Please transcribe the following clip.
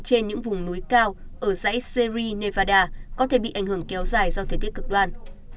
trên những vùng núi cao ở dãy syri nevada có thể bị ảnh hưởng kéo dài do thời tiết cực đoan